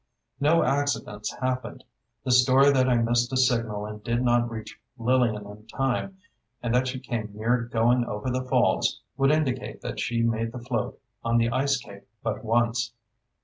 "No accidents happened: The story that I missed a signal and did not reach Lillian in time, and that she came near going over the falls, would indicate that she made the float on the ice cake but once.